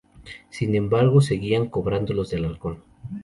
Sin embargo seguían cobrando los de Alarcón.